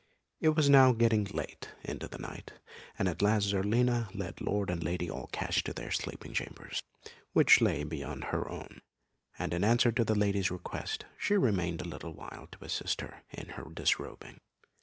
It was now getting late into the night, and at last Zerlina led Lord and Lady Allcash to their sleeping chamber, which lay beyond her own; and in answer to the lady's request, she remained a little while to assist her in disrobing.